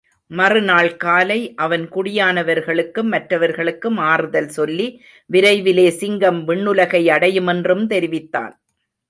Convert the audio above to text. மறு நாள் காலை அவன் குடியானவர்களுக்கும் மற்றவர்களுக்கும் ஆறுதல் சொல்லி, விரைவிலே சிங்கம் விண்ணுலகை அடையுமென்றும் தெரிவித்தான்.